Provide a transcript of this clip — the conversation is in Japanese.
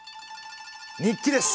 日記です！